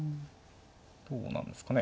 どうなんですかね。